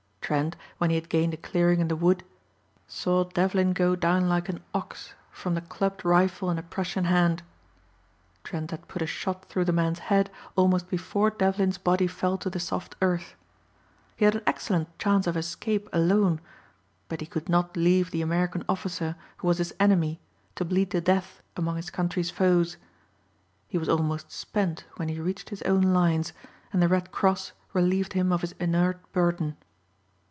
Trent, when he had gained a clearing in the wood, saw Devlin go down like an ox from the clubbed rifle in a Prussian hand. Trent had put a shot through the man's head almost before Devlin's body fell to the soft earth. He had an excellent chance of escape alone but he could not leave the American officer who was his enemy to bleed to death among his country's foes. He was almost spent when he reached his own lines and the Red Cross relieved him of his inert burden.